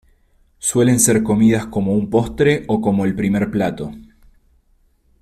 Suelen ser comidas como un postre o como el primer plato.